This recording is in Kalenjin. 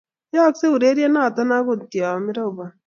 Yaaksei ureryono angot ye ropon.